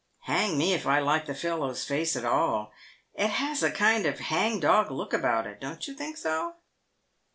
u Hang me if I like the fellow's face at all. It has a kind of hang dog look about it. Don't you think so